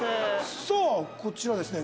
さあこちらですね